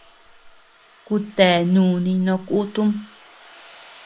Kutea núni no kutum.